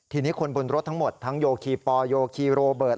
ทีนี้คนบนรถทั้งหมดทั้งโยคีปอลโยคีโรเบิร์ต